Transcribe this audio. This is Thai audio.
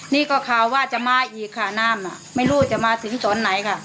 นี่ก็ข่าวว่าจะมาอีกค่ะน้ำอ่ะไม่รู้จะมาถึงสอนไหนค่ะ